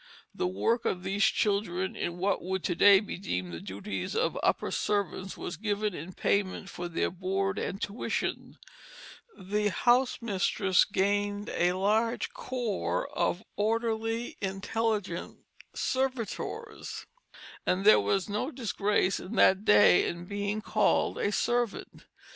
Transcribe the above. The work of these children in what would to day be deemed the duties of upper servants was given in payment for their board and tuition. The housemistress gained a large corps of orderly, intelligent servitors; and there was no disgrace in that day in being called a servant.